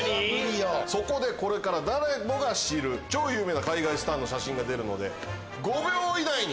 そこで誰もが知る超有名な海外スターの写真が出るので５秒以内に。